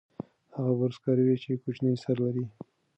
هغه برس کاروي چې کوچنی سر لري.